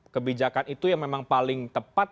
kebijakan itu yang memang paling tepat